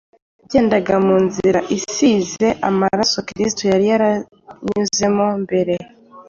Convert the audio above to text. Yagendaga mu nzira isize amaraso Kristo yari yaranyuzemo mbere.